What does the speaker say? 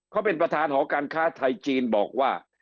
เขาเป็นประธานหอการค้าไทยจีนบอกว่า